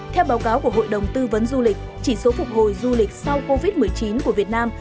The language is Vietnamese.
theo báo cáo của hội đồng tư vấn du lịch chỉ số phục hồi du lịch sau covid một mươi chín của việt nam